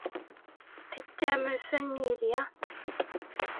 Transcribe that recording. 대체 무슨 일이야?